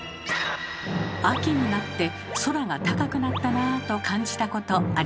秋になって空が高くなったなと感じたことありませんか？